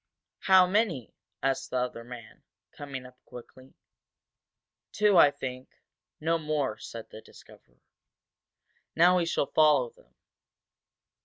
"How many?" asked the other man, coming up quickly. "Two, I think no more," said the discoverer. "Now we shall follow them."